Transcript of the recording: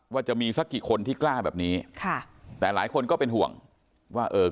ว่าจะมีสักกี่คนที่กล้าแบบนี้ค่ะแต่หลายคนก็เป็นห่วงว่าเอ่อ